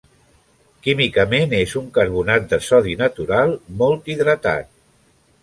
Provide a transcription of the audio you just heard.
Químicament és un carbonat de sodi natural, molt hidratat.